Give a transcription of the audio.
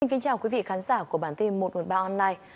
xin chào quý vị khán giả của bản tin một trăm một mươi ba online